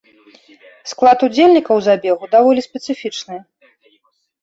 Склад удзельнікаў забегу даволі спецыфічны.